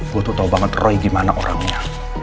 gue tuh tau banget roy gimana orangnya